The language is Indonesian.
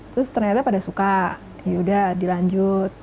terus ternyata pada suka ya udah dilanjut